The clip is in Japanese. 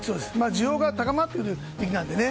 需要が高まっている時期なので。